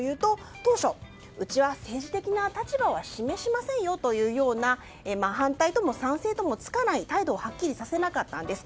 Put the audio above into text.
当初、うちは政治的な立場は示しませんよと反対とも賛成ともつかない態度をはっきりさせなかったんです。